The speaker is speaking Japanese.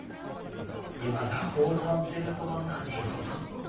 いまだ降参せぬとは何事ぞ。